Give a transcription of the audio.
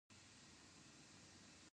د کچالو ګل د سوځیدو لپاره وکاروئ